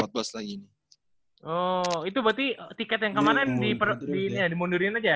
oh itu berarti tiket yang kemarin dimundurin aja ya